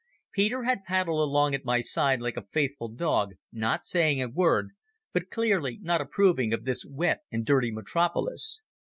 Peter had paddled along at my side like a faithful dog, not saying a word, but clearly not approving of this wet and dirty metropolis.